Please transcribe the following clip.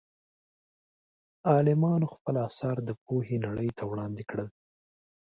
عالمانو خپل اثار د پوهې نړۍ ته وړاندې کړل.